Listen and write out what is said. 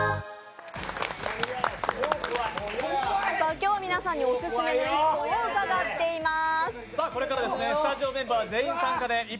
今日は皆さんにオススメの一本を伺っています。